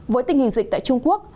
với tình hình dịch tại trung quốc